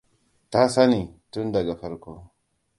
Ta sani tun daga farko.